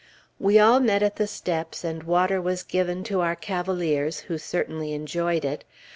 We all met at the steps, and water was given to our cavaliers, who certainly enjoyed it.